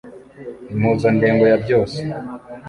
Impuzandengo ya byose